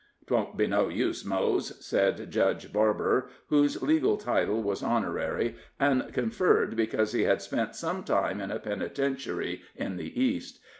"Twon't be no use, Mose," said Judge Barber, whose legal title was honorary, and conferred because he had spent some time in a penitentiary in the East.